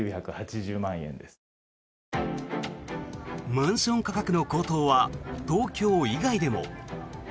マンション価格の高騰は東京以外でも。